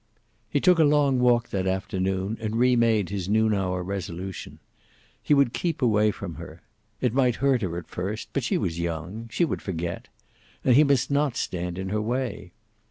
He took a long walk that afternoon, and re made his noon hour resolution. He would keep away from her. It might hurt her at first, but she was young. She would forget. And he must not stand in her way.